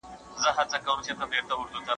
زه مخکي د ښوونځی لپاره امادګي نيولی وو